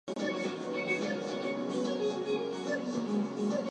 He later became the head men's basketball coach at Malcolm X College in Chicago.